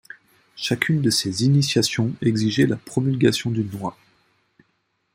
Chacune de ces initiations exigeait la promulgation d'une loi.